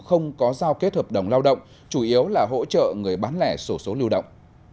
không có giao kết hợp đồng lao động chủ yếu là hỗ trợ người bán lẻ sổ số lưu động